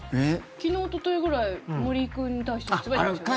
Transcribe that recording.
昨日、おとといぐらい森君に対してつぶやいてましたよね。